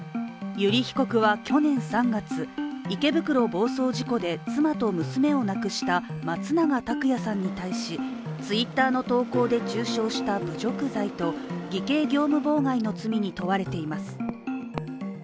油利被告は去年３月池袋暴走事故で妻と娘を亡くした松永拓也さんに対し、Ｔｗｉｔｔｅｒの投稿で中傷した侮辱罪と偽計業務妨害の罪に問われています。